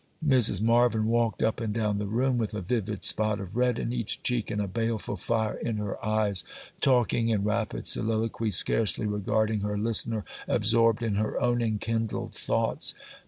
Mrs. Marvyn walked up and down the room with a vivid spot of red in each cheek and a baleful fire in her eyes, talking in rapid soliloquy, scarcely regarding her listener, absorbed in her own enkindled thoughts.